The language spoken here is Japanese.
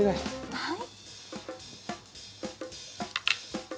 はい。